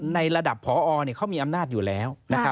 ในระดับพอเขามีอำนาจอยู่แล้ว